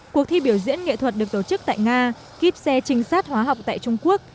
cuộc thi biểu diễn nghệ thuật được tổ chức tại nga kíp xe trinh sát hóa học tại trung quốc